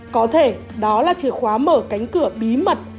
có thể đó là chìa khóa mở cánh cửa bí mật